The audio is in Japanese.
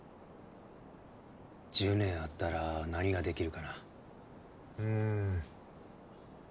１０年あったら何ができるかな